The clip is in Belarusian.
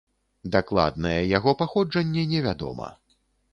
Дакладнае яго паходжанне не вядома.